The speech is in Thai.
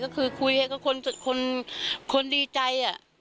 ก็คือคุยให้กับคนดีใจ